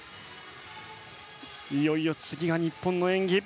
いよいよ次が日本の演技。